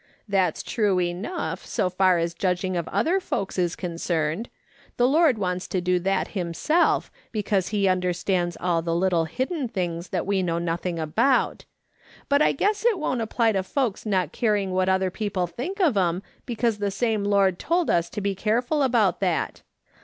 "That's true enough, so far as the judg ing of other folks is concerned ; the Lord wants to do that himself, because he understands all the little hidden things that we know nothing about ; but I guess it don't apply to folks not caring what other people think of 'em, because the same Lord told us to be careful about that.